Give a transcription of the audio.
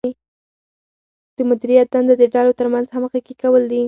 د مدیریت دنده د ډلو ترمنځ همغږي کول دي.